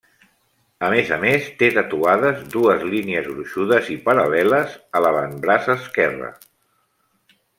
A més a més, té tatuades dues línies gruixudes i paral·leles a l'avantbraç esquerre.